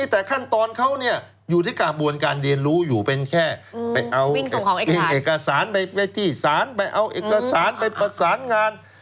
ก็ยังแต่ขั้นตอนเขาอยู่ที่ก่านบ้วนการเรียนรู้ไปสารงาน